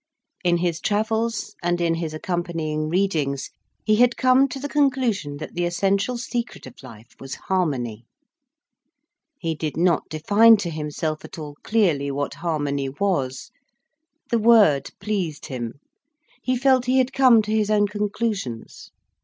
In his travels, and in his accompanying readings, he had come to the conclusion that the essential secret of life was harmony. He did not define to himself at all clearly what harmony was. The word pleased him, he felt he had come to his own conclusions.